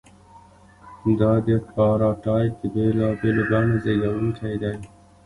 دا د اپارټایډ د بېلابېلو بڼو زیږوونکی دی.